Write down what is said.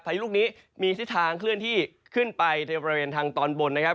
ลูกนี้มีทิศทางเคลื่อนที่ขึ้นไปในบริเวณทางตอนบนนะครับ